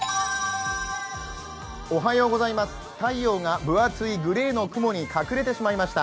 太陽が分厚いグレーの雲に隠れてしまいました。